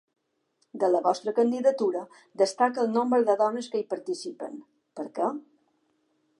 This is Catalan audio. De la vostra candidatura destaca el nombre de dones que hi participen, per què?